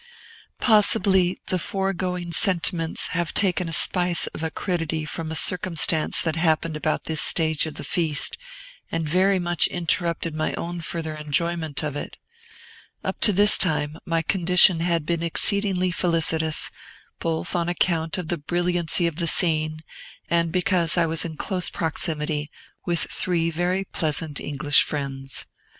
Possibly, the foregoing sentiments have taken a spice of acridity from a circumstance that happened about this stage of the feast, and very much interrupted my own further enjoyment of it. Up to this time, my condition had been exceedingly felicitous, both on account of the brilliancy of the scene, and because I was in close proximity with three very pleasant English friends.